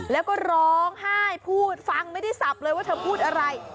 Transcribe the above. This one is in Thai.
แล้วก็ร้องไห้พูดฟังไม่ได้สับเลยว่าเธอพูดอะไร